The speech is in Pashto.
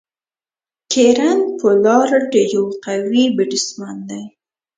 کیرن پولارډ یو قوي بيټسمېن دئ.